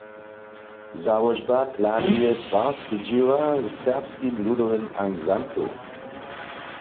Załožba planuje twarske dźěła w Serbskim ludowym ansamblu.